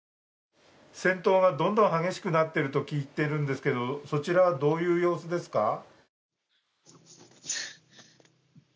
戦闘がどんどん激しくなっていると聞いているんですけれども、そちらはどういう様子ですか？